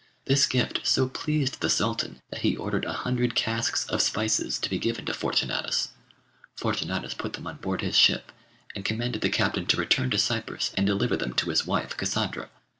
This gift so pleased the Sultan that he ordered a hundred casks of spices to be given to Fortunatus; Fortunatus put them on board his ship, and commanded the captain to return to Cyprus and deliver them to his wife, Cassandra.